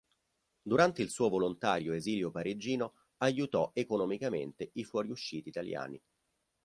Durante il suo volontario esilio parigino aiutò economicamente i fuoriusciti italiani.